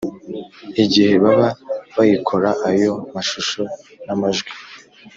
igihe baba bayikora Ayo mashusho n amajwi